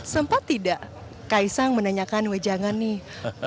sempat tidak kaisang menanyakan wejangan nih